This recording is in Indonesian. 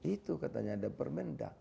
itu katanya ada permendak